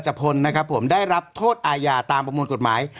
พลนะครับผมได้รับโทษอาญาตามประมวลกฎหมาย